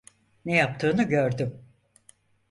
Ne yaptığını gördüm.